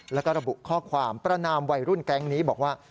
แล้วก็ระบุข้อความประนามวัยรุ่นแก๊งนี้บอกว่า